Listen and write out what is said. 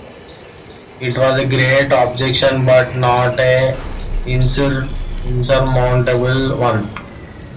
It was a great objection, but not an insurmountable one.